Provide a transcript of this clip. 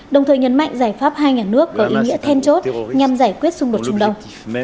đồng thời nhấn mạnh giải pháp hai nhà nước có ý nghĩa then chốt nhằm giải quyết xung đột trung đông